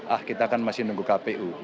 ah kita kan masih nunggu kpu